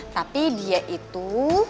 tapi dia itu